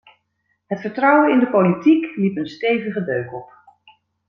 Het vertrouwen in de politiek liep een stevige deuk op.